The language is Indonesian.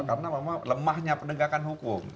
karena lemahnya pendengarkan hukum